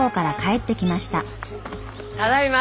ただいま！